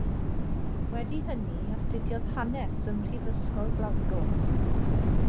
Wedi hynny astudiodd Hanes ym Mhrifysgol Glasgow.